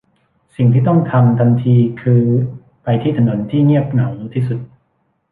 สิ่งที่ต้องทำทันทีคือไปที่ถนนที่เงียบเหงาที่สุด